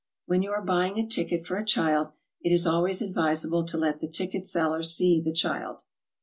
When you are buying a ticket for a child, it is always advisable to let the ticket seller see the child.